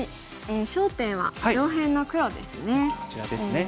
焦点は上辺の黒ですね。